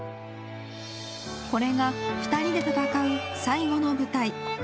これが２人で戦う最後の舞台。